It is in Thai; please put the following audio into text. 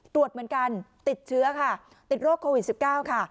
ตรวจเหมือนกันติดเชื้อค่ะติดโรคโควิด๑๙ค่ะ